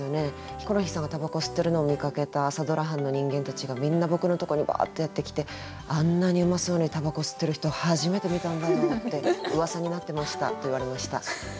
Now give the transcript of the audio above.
ヒコロヒーさんがたばこ吸ってるのを見かけた朝ドラ班の人間たちがみんな僕のとこにバーッとやって来てあんなにうまそうにたばこ吸ってる人初めて見たんだよってうわさになってました」と言われました。